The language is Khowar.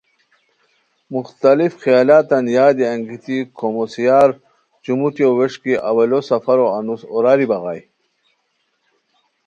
مختلف خیالاتان یادی انگیتی کھوموسیار چوموٹیو ووݰکی اوّلو سفرو انوس اوراری بغائے